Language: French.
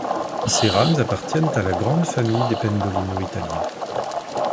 Ces rames appartiennent à la grande famille des Pendolino italiens.